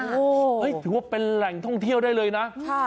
โอ้โหถือว่าเป็นแหล่งท่องเที่ยวได้เลยนะ